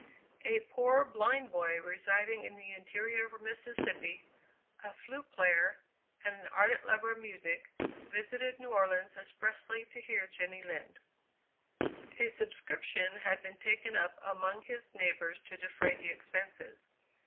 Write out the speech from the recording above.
A poor blind boy, residing in the interior of Mississippi, a flute player, and an ardent lover of music, visited New Orleans expressly to hear Jenny Lind. A subscription had been taken up among his neighbors to defray the expenses.